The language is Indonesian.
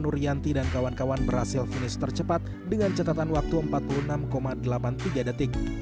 nurianti dan kawan kawan berhasil finish tercepat dengan catatan waktu empat puluh enam delapan puluh tiga detik